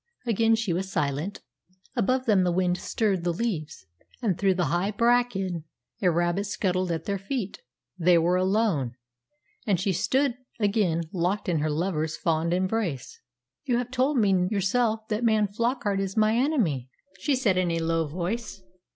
Again she was silent. Above them the wind stirred the leaves, and through the high bracken a rabbit scuttled at their feet. They were alone, and she stood again locked in her lover's fond embrace. "You have told me yourself that man Flockart is my enemy," she said in a low voice.